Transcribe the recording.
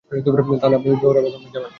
তাহলে আপনি জোহরা বেগমের জামাই?